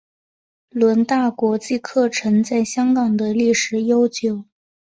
伦大国际课程在香港的历史悠久。